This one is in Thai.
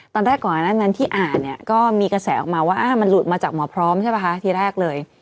ตอนแรกก่อนหน้านั้นที่อ่านเนี่ยก็มีกระแสออกมาว่ามันหลุดมาจากหมอพร้อมใช่ป่ะคะทีแรกเลย